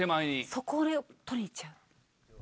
それを取りに行っちゃう。